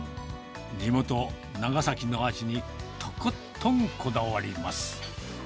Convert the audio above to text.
地元、長崎の味に、とことんこだわります。